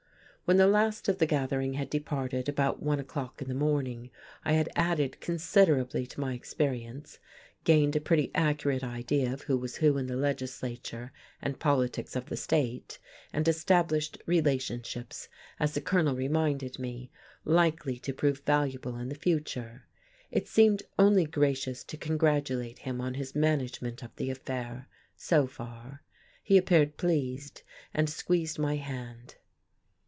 When the last of the gathering had departed, about one o'clock in the morning, I had added considerably to my experience, gained a pretty accurate idea of who was who in the legislature and politics of the state, and established relationships as the Colonel reminded me likely to prove valuable in the future. It seemed only gracious to congratulate him on his management of the affair, so far. He appeared pleased, and squeezed my hand.